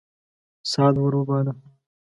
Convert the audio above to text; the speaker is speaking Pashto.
سعد ور وباله.